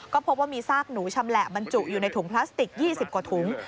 ก็พบว่ามีซากหนูชำแหละบรรจุอยู่ในถุงพลาสติก๒๐กว่าถุง